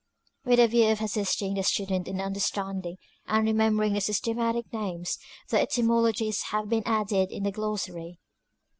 With the view of assisting the student in understanding and remem bering the systematic names, their etymologies have been added in the Glossary.